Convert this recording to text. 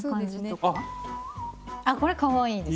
あこれかわいいです。